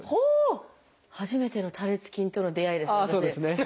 初めての多裂筋との出会いです私。